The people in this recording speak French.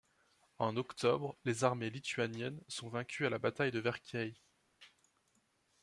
En octobre les armées lituaniennes sont vaincues à la bataille de Verkiai.